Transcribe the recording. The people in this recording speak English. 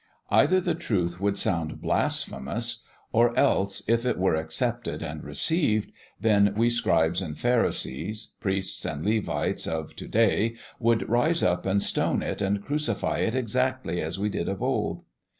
Either the truth would sound blasphemous, or else, if it were accepted and received, then we scribes and pharisees, priests and Levites of to day would rise up and stone it and crucify it exactly as we did of old.